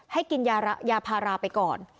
ให้กินยาพาราไปก่อน